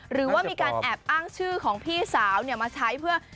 หรือว่ามีการแอบอ้างชื่อของพี่สาวมาใช้เพื่อ